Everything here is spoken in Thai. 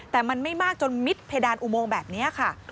แต่มันไม่มากจนมิดเพดานอุโมงแบบนี้ค่ะ